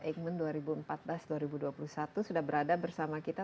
eijkman dua ribu empat belas dua ribu dua puluh satu sudah berada bersama kita